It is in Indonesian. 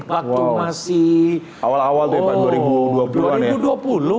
waktu masih awal awal ya pak dua ribu dua puluh an ya